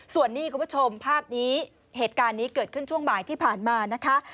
ส่วนนี้คุณผู้ชมภาพนี้เหตุการณ์นี้เกิดขึ้นช่วงบ่ายที่ผ่านมานะคะ